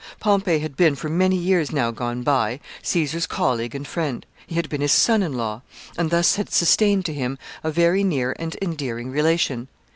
Pompey had been, for many years now gone by, Caesar's colleague and friend. He had been his son in law, and thus had sustained to him a very near and endearing relation.